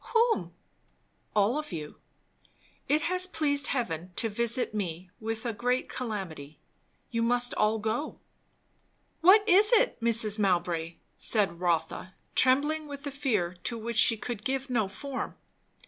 "Whom?" "All of you! It has pleased heaven to visit me with a great calamity. You must all go." "What is it, Mrs. Mowbray?" said Rotha, trembling with a fear to which she could give no form.